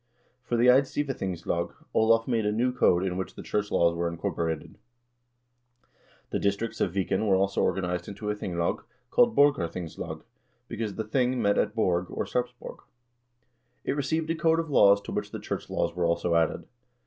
For the Eidsivathingslag Olav made a new code in which the church laws were incorporated. The districts of Viken were also organized into a thinglag, called "Borgarthingslag," because the thing met at Borg, or Sarpsborg. It received a code of laws to which the church laws were also added.